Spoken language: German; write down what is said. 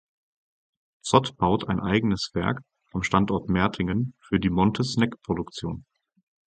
Zott baut ein eigenes Werk am Standort Mertingen für die Monte-Snack-Produktion.